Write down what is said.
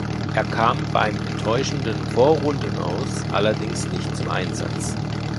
Er kam beim enttäuschenden Vorrundenaus allerdings nicht zum Einsatz.